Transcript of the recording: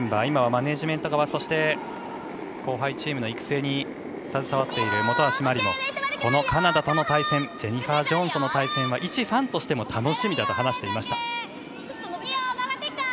今はマネージメント側そして後輩チームの育成に携わっている本橋麻里もこのカナダとの対戦ジェニファー・ジョーンズとの対戦はいちファンとしても楽しみだと話していました。